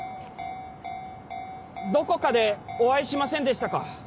どこかでお会いしませんでしたか？